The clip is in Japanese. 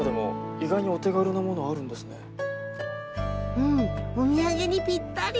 うんお土産にぴったり！